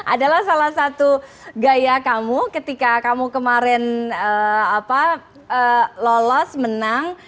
adalah salah satu gaya kamu ketika kamu kemarin lolos menang